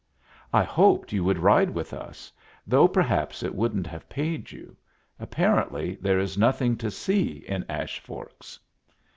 "I hoped you would ride with us, though perhaps it wouldn't have paid you. Apparently there is nothing to see in Ash Forks."